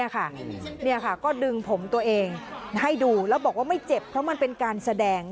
นี่ค่ะก็ดึงผมตัวเองให้ดูแล้วบอกว่าไม่เจ็บเพราะมันเป็นการแสดง